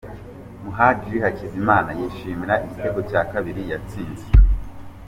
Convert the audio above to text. Muhadjili Hakizimana yishimira igitego cya kabiri yatsinze.